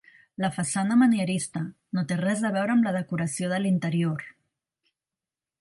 La façana manierista, no té res a veure amb la decoració de l'interior.